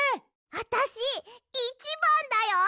あたしいちばんだよ！